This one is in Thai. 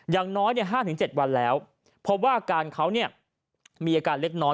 อย่างน้อย๕๗วันแล้วพบว่าอาการเขามีอาการเล็กน้อย